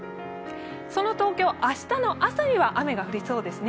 その東京、明日の朝には雨が降りそうですね。